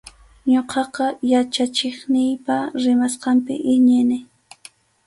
Ñuqaqa yachachiqniypa rimasqanpi iñini.